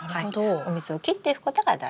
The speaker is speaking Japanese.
お水を切っていくことが大事です。